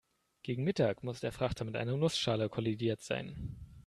Gegen Mittag muss der Frachter mit einer Nussschale kollidiert sein.